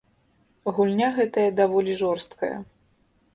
Гульня гэтая даволі жорсткая.